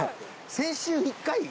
先週１回？